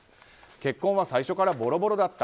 結婚は最初からボロボロだった。